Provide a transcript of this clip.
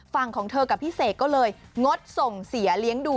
ของเธอกับพี่เสกก็เลยงดส่งเสียเลี้ยงดู